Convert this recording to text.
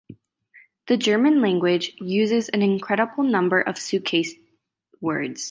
The German language uses an incredible number of suitcase words.